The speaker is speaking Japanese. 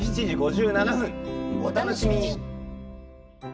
お楽しみに！